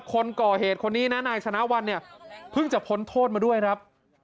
คนก่อเหตุคนนี้นะนายชนะวันเนี่ยเพิ่งจะพ้นโทษมาด้วยครับ